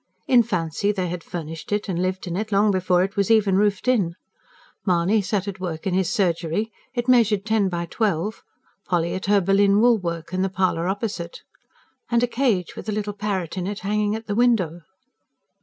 In fancy they had furnished it and lived in it, long before it was even roofed in. Mahony sat at work in his surgery it measured ten by twelve Polly at her Berlin woolwork in the parlour opposite: "And a cage with a little parrot in it, hanging at the window."